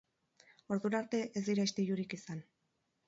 Ordura arte, ez dira istilurik izan.